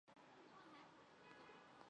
富查伊拉酋长国酋长